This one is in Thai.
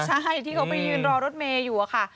ใช่ที่เขาไปยืนรอรถเมย์อยู่อะค่ะ